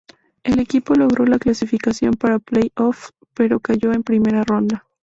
El equipo logró la clasificación para playoffs, pero cayó en primera ronda.